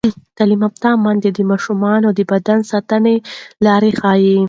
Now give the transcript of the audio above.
تعلیم یافته میندې د ماشومانو د بدن ساتنې لارې ښيي.